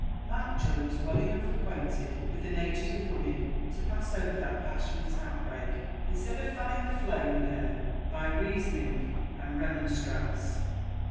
Mountjoy was well enough acquainted with the natures of women to pass over that passionate outbreak, instead of fanning the flame in her by reasoning and remonstrance.